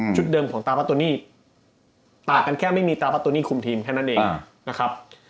ชุดเดิมของตาปาโตนี่ตากันแค่ไม่มีตาปาโตนี่คุมทีมแค่นั้นเองนะครับ